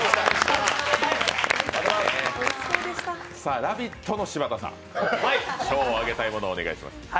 「ラヴィット！」の柴田さん、賞をあげたいものをお願いします。